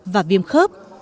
và viêm khớp